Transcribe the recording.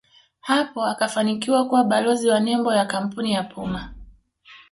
hapo akafanikiwa kuwa balozi wa nembo ya kampuni ya Puma